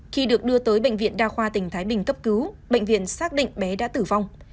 khi được đưa tới bệnh viện đa khoa tỉnh thái bình cấp cứu bệnh viện xác định bé đã tử vong